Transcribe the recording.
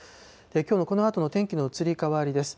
きょうのこのあとの天気の移り変わりです。